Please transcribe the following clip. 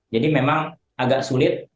jadi memang agak sulit